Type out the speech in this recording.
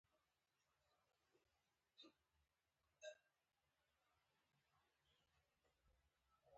دلته یې تاسو ته درپېژنو په پښتو ژبه.